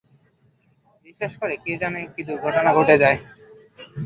বিশেষ করে, কে জানে কী দুর্ঘটনা ঘটে যায়!